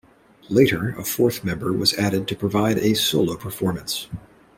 Later, a fourth member was added to provide a solo performance.